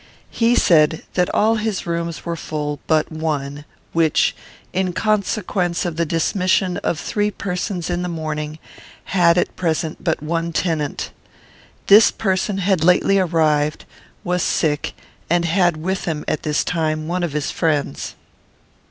He said that all his rooms were full but one, which, in consequence of the dismission of three persons in the morning, had at present but one tenant. This person had lately arrived, was sick, and had with him, at this time, one of his friends.